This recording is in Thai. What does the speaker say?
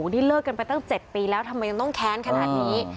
ที่เลิกกันไปตั้ง๗ปีแล้วทำไมยังต้องแค้นขนาดนี้